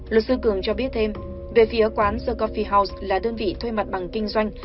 luật sư cường cho biết thêm về phía quán kafy house là đơn vị thuê mặt bằng kinh doanh